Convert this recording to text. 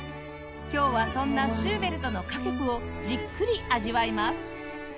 今日はそんなシューベルトの歌曲をじっくり味わいます